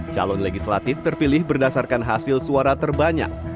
calon legislatif terpilih berdasarkan hasil suara terbanyak